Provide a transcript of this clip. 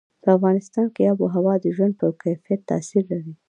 په افغانستان کې آب وهوا د ژوند په کیفیت تاثیر لري.